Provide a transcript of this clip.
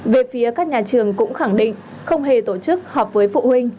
về phía các nhà trường cũng khẳng định không hề tổ chức họp với phụ huynh